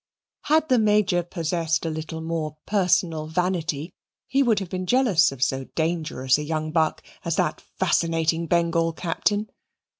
Had the Major possessed a little more personal vanity he would have been jealous of so dangerous a young buck as that fascinating Bengal Captain.